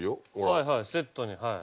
はいはいセットにはい。